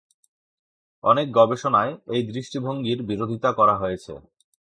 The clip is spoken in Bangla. অনেক গবেষণায় এই দৃষ্টিভঙ্গির বিরোধিতা করা হয়েছে।